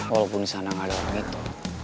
walaupun disana gak ada orang itu